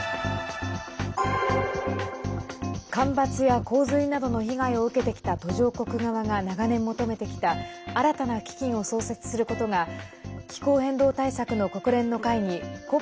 干ばつや洪水などの被害を受けてきた途上国側が長年求めてきた新たな基金を創設することが気候変動対策の国連の会議